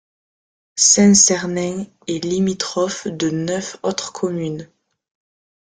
Saint-Cernin est limitrophe de neuf autres communes.